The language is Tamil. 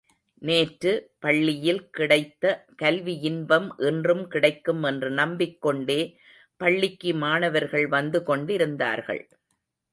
நேற்று பள்ளியில் கிடைத்த கல்வியின்பம் இன்றும் கிடைக்கும் என்று நம்பிக் கொண்டே பள்ளிக்கு மாணவர்கள் வந்து கொண்டிருந்தார்கள்.